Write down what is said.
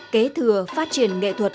kế thừa phát triển nghệ thuật